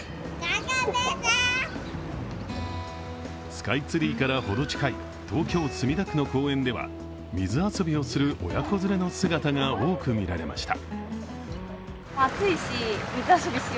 スカイツリーから程近い東京・墨田区の公園では水遊びをする親子連れの姿が多く見られました。